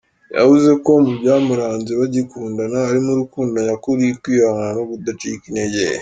Yavuze ko mu byamuranze bagikundana harimo urukundo nyakuri, kwihangana, no kudacika intege.